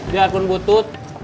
di akun butut